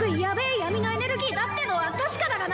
闇のエネルギーだってのは確かだがな！